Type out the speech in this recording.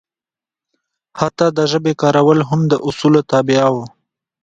حتی د ژبې کارول هم د اصولو تابع وو.